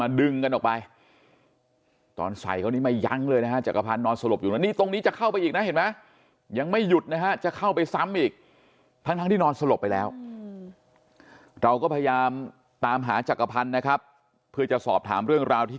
เราก็พยายามตามหาจักรพันธุ์นะครับเพื่อจะสอบถามเรื่องราวที่